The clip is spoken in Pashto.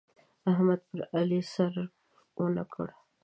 احمد پر علي سرپه و نه کړه.